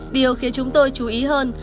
điều khiến chúng tôi chú ý hơn